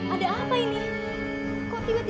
ada apa ini